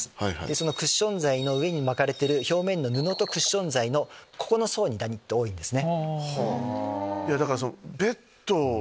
そのクッション材の上に巻かれてる表面の布とクッション材のここの層にダニって多いんですね。